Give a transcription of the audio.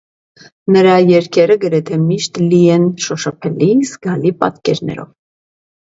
Նրա երգերը գրեթե միշտ լի են շոշփելի, զգալի պատկերներով։